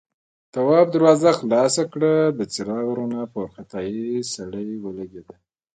تواب دروازه خلاصه کړه، د څراغ رڼا په وارخطا سړي ولګېده.